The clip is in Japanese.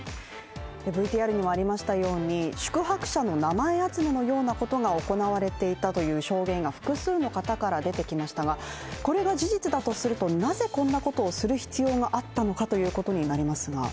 ＶＴＲにもありましたように、宿泊者の名前集めのようなことが行われていたという証言が複数の方から出てきましたが、これが事実だとすると、なぜこんなことをする必要があったのかということになりますが。